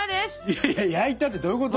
いやいや焼いたってどういうこと？